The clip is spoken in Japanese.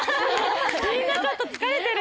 みんなちょっと疲れてる？